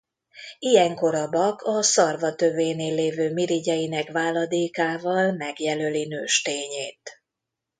Ilyenkor a bak a szarva tövénél lévő mirigyeinek váladékával megjelöli nőstényét.